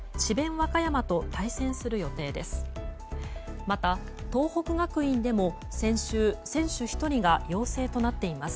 和歌山と対戦する予定です。